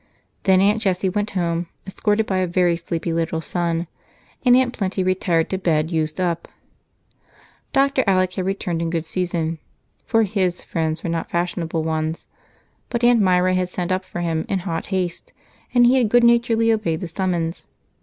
Then Aunt Jessie went home, escorted by a very sleepy little son, and Aunt Plenty retired to bed, used up. Dr. Alec had returned in good season, for his friends were not fashionable ones, but Aunt Myra had sent up for him in hot haste and he had good naturedly obeyed the summons.